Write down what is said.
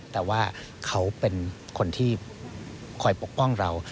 แต่ว่าเขาเป็นคนที่คอยปกป้องเรา